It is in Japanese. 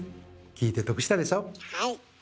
はい！